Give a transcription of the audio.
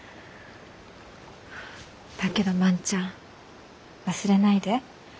だけど万ちゃん忘れないで。